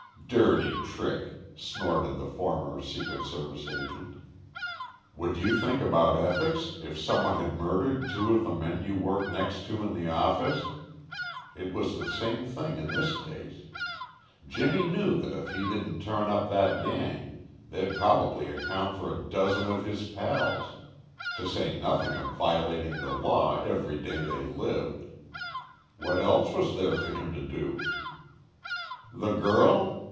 "Dirty trick!" snorted the former Secret Service agent. "Would you think about ethics if some one had murdered two of the men you work next to in the office? It was the same thing in this case. Jimmy knew that if he didn't turn up that gang they'd probably account for a dozen of his pals to say nothing of violating the law every day they lived! What else was there for him to do? "The girl?